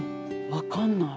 分かんない。